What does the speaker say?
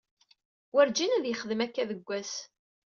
Werǧin ad yexdem akka deg ass.